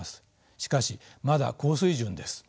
しかしまだ高水準です。